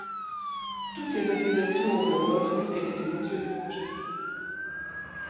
Toutes les accusations envers Walden étaient éventuellement rejetées.